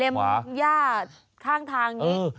เล่มหญ้าข้างทางนี้